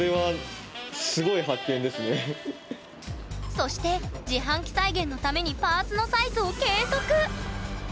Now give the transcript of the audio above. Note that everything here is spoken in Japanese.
そして自販機再現のためにパーツのサイズを計測！